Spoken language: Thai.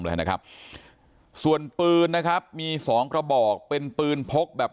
เลยนะครับส่วนปืนนะครับมีสองกระบอกเป็นปืนพกแบบ